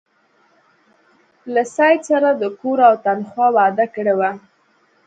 له سید سره د کور او تنخوا وعده کړې وه.